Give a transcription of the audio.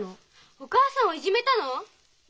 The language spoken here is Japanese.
お母さんをいじめたの？